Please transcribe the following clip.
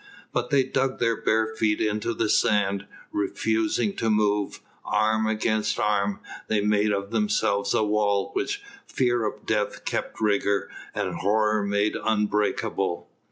But they dug their bare feet into the sand, refusing to move; arm against arm they made of themselves a wall which fear of death kept rigid and horror made unbreakable.